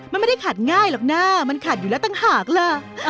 มันไม่ได้ขัดง่ายหรอกนะมันขัดอยู่แล้วต่างหากล่ะ